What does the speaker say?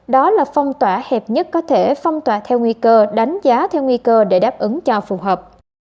đó là phong tỏa hẹp nhất có thể phong tỏa theo nguy cơ đánh giá theo nguy cơ để đáp ứng cho phù hợp